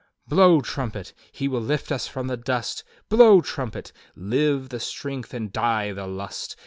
"'Blow trumpet! he will lift us from the dust. Blow trumpet! live the strength and die the lust!